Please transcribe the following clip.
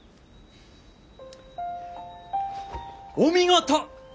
お見事！